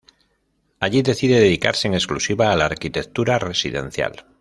Allí decide dedicarse en exclusiva a la arquitectura residencial.